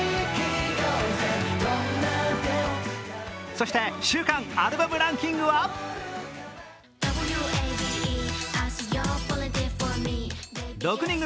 そして週間アルバムランキングは６人組